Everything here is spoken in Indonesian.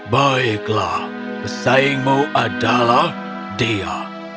baiklah pesaingmu adalah dia